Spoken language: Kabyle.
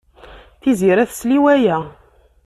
Tiziri tesla i waya.